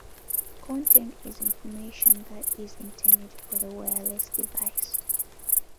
Content is information that is intended for the wireless device.